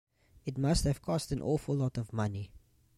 It must have cost an awful lot of money.